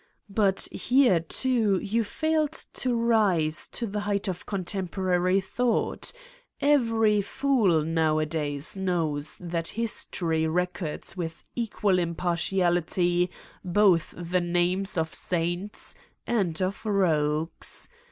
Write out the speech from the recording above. But here, too, you failed to rise to the height of contemporary thought: every fool now adays knows that history records with equal im partiality both the names of saints and of rogues.